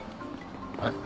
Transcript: えっ？